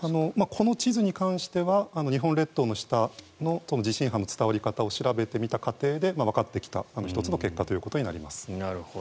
この地図に関しては日本列島の下の地震波の伝わり方を調べてみた過程でわかってきた１つの結果ということになります。